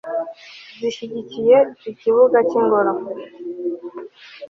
zishyigikiye ikibuga cy'ingoro